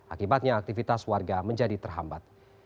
akibatnya aktivitas warga menjadi terhambat